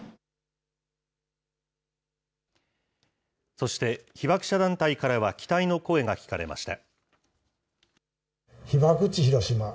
そして、被爆者団体からは期待の声が聞かれました。